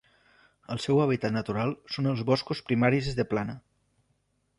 El seu hàbitat natural són els boscos primaris de plana.